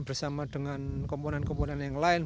bersama dengan komponen komponen yang lain